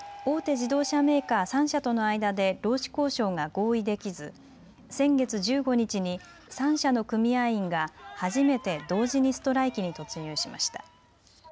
自動車メーカー３社との間で労使交渉が合意できず先月１５日に３社の組合員が初めて同時にストライキに突入しました。